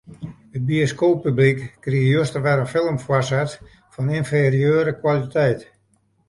It bioskooppublyk krige juster wer in film foarset fan ynferieure kwaliteit.